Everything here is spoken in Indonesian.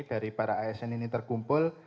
dari para asn ini terkumpul